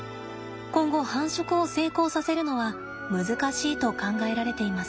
今後繁殖を成功させるのは難しいと考えられています。